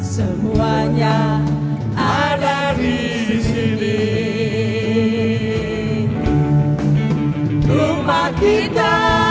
semuanya ada disini rumah kita